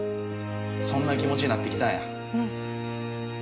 そんな気持ちになってきたんや。